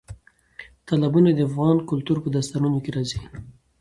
تالابونه د افغان کلتور په داستانونو کې راځي.